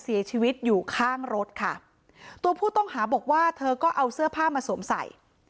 เสียชีวิตอยู่ข้างรถค่ะตัวผู้ต้องหาบอกว่าเธอก็เอาเสื้อผ้ามาสวมใส่